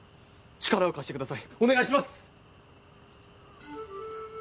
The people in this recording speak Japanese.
力を貸してくださいお願いします！